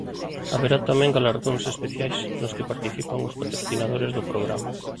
Haberá tamén galardóns especiais nos que participan os patrocinadores do programa.